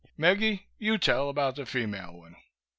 "Meggie, you tell about the female one."